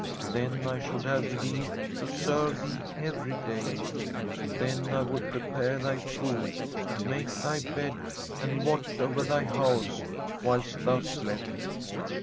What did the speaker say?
Then I should have leave to serve thee every day. Then I would prepare thy food, make thy bed, and watch over thy house whilst thou slept.